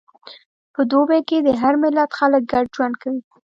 په دوبی کې د هر ملت خلک ګډ ژوند کوي.